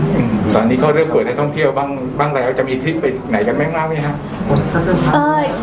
ตอนนี้ก็เลือกเปิดให้ท่องเที่ยวบ้างแล้วจะมีที่ไปไหนกันแม่งไงคะ